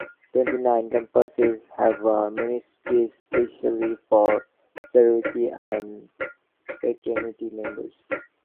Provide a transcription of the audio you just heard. Twenty-nine campuses have a ministry specifically for sorority and fraternity members.